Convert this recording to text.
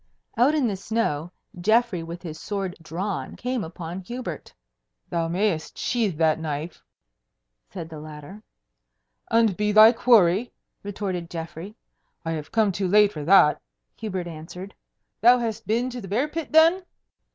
Out in the snow, Geoffrey with his sword drawn came upon Hubert. "Thou mayest sheathe that knife," said the latter. "And be thy quarry?" retorted Geoffrey. "I have come too late for that!" Hubert answered. "Thou hast been to the bear pit, then?"